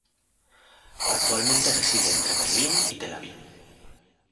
Actualmente reside entre Berlín y Tel Aviv.